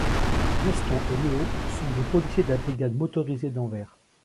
Gaston et Leo sont des policiers de la brigade motorisée d'Anvers.